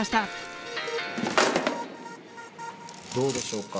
どうでしょうか？